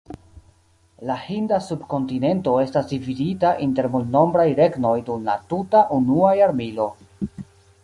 La Hinda subkontinento estas dividita inter multnombraj regnoj dum la tuta unua jarmilo.